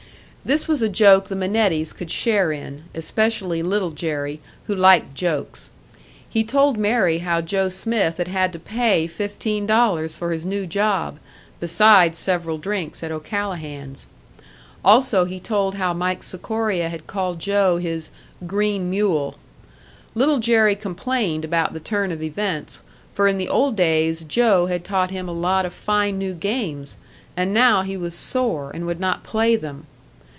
This was a joke the Minettis could share in especially Little Jerry, who liked jokes. He told Mary how Joe Smith had had to pay fifteen dollars for his new job, besides several drinks at O'Callahan's. Also he told how Mike Sikoria had called Joe his "green mule." Little Jerry complained about the turn of events, for in the old days Joe had taught him a lot of fine new games and now he was sore, and would not play them.